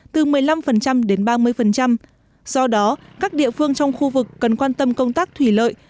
từ một mươi năm đến ba mươi do đó các địa phương trong khu vực cần quan tâm công tác thủy lợi